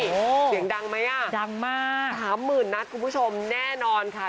โอ้โหเสียงดังไหมอ่ะดังมากสามหมื่นนัดคุณผู้ชมแน่นอนค่ะ